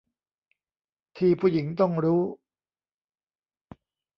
ที่ผู้หญิงต้องรู้